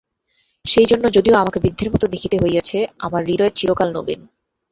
সেইজন্য, যদিও আমাকে বৃদ্ধের মতো দেখিতে হইয়াছে, আমার হৃদয় চিরকাল নবীন।